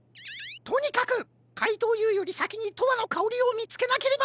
とにかくかいとうＵよりさきに「とわのかおり」をみつけなければ！